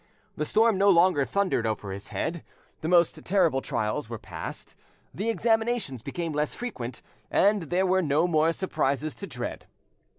The storm no longer thundered over his head, the most terrible trials were passed, the examinations became less frequent, and there were no more surprises to dread.